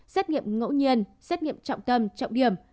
xét nghiệm ngẫu nhiên xét nghiệm trọng tâm trọng điểm